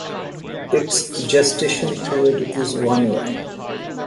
Its gestation period is one year.